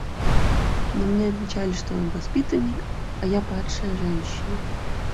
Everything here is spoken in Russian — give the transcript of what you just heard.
Но мне отвечали, что он воспитанник, а я падшая женщина.